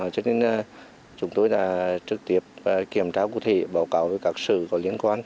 cho nên chúng tôi là trực tiếp kiểm tra cụ thể báo cáo về các sự có liên quan